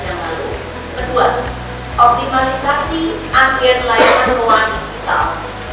kedua optimalisasi amfet layanan keuangan digital